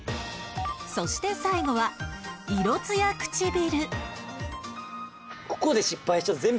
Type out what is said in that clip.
そして最後は色ツヤ唇